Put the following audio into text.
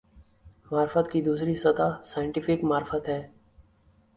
معرفت کی دوسری سطح "سائنٹیفک معرفت" ہے۔